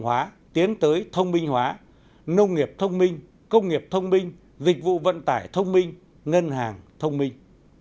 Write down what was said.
hóa tiến tới thông minh hóa nông nghiệp thông minh công nghiệp thông minh dịch vụ vận tải thông minh ngân hàng thông minh